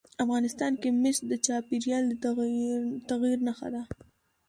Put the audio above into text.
افغانستان کې مس د چاپېریال د تغیر نښه ده.